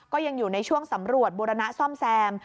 ก็ยังอยู่ในช่วงสำรวจบูรณะซ่อมแซม